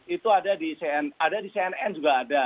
itu ada di cnn juga ada